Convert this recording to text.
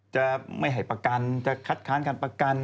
จะไม่ให้ประกันจะคัดค้านะ